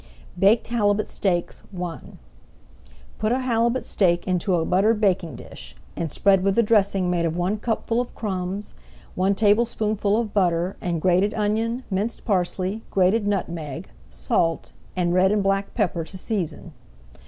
BAKED HALIBUT STEAKS I Put a halibut steak into a buttered baking dish, and spread with a dressing made of one cupful of crumbs, one tablespoonful of butter, and grated onion, minced parsley, grated nutmeg, salt, and red and black pepper to season.